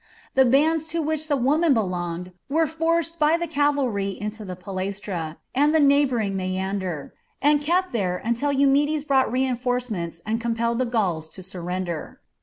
The bands to which the woman belonged were forced by the cavalry into the palaestra and the neighbouring Maander, and kept there until Eumedes brought re enforcements and compelled the Gauls to surrender.